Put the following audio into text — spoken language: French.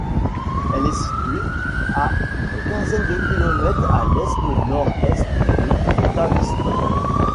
Elle est située à une quinzaine de kilomètres à l'est-nord-est de Tavistock.